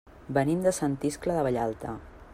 Venim de Sant Iscle de Vallalta.